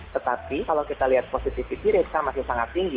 tetapi kalau kita lihat positivity resa masih sangat tinggi